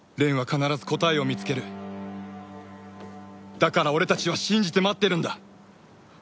だから俺たちは信じて待ってるんだ！